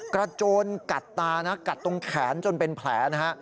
กระโจนกัดตากัดตรงแขนจนเป็นแผล